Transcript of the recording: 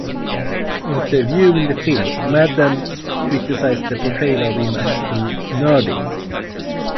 After viewing the film, Madden criticized the portrayal of him as too nerdy.